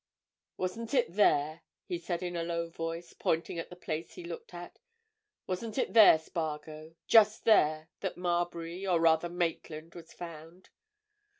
"Wasn't it there?" he said in a low voice, pointing at the place he looked at. "Wasn't it there, Spargo, just there, that Marbury, or, rather, Maitland, was found?"